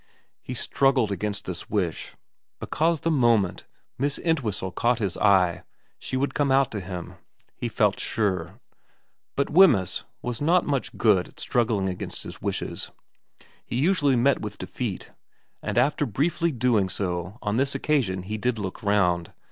He struggled against this wish, because the moment Miss Entwhistle caught his eye she would come out to him, he felt sure. But Wemysa 56 VERA T was not much good at struggling against his wishes, he usually met with defeat ; and after briefly doing so on this occasion he did look round.